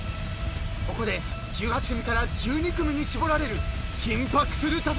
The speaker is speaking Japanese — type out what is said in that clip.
［ここで１８組から１２組に絞られる緊迫する戦い］